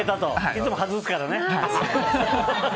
いつも外すから。